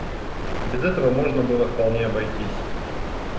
Без этого можно было вполне обойтись.